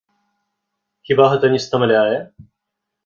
Хіба гэта не стамляе?